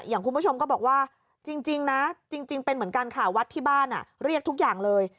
คุณผู้ชมก็บอกว่าจริงนะจริงเป็นเหมือนกันค่ะวัดที่บ้านเรียกทุกอย่างเลย